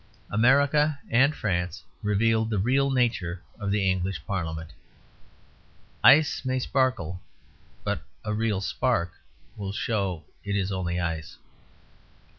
America and France revealed the real nature of the English Parliament. Ice may sparkle, but a real spark will show it is only ice.